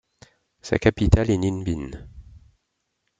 Sa capitale est Ninh Bình.